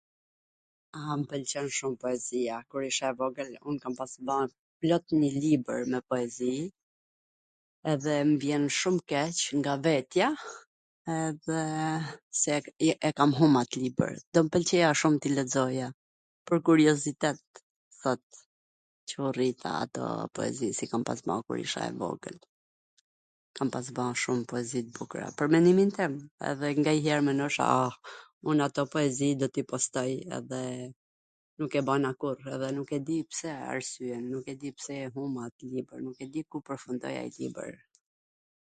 A, m pwlqen shum poezia. Kur isha e vogwl, un kam pas ba plot nji libwr me poezi, dhe m vjen shum keq nga vetja edhe ... se e kam hum at libwr, do m pwlqeja shum t i lexoja, pwr kuriozitet sot qw u rrita, ato poezi qw kam pas ba kur isha e vogwl, kam pas ba shum poezi t bukra, pwr menimin tem, edhe nganjher mendosha a, un ato poezi do t i postoj edhe nuk e bana kurr, edhe nuk e di arsyen pse e humba at libwr, nuk e di ku pwrfundoi ai libwr.